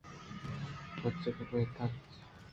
تچگ ءِ بہ تچ۔